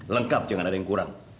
lengkap jangan ada yang kurang